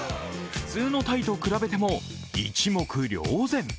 普通の鯛と比べても一目瞭然。